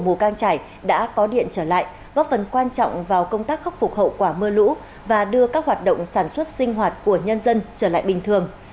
mù cang trải đã có điện trở lại góp phần quan trọng vào công tác khắc phục hậu quả mưa lũ và đưa các hoạt động sản xuất sinh hoạt của nhân dân trở lại bình thường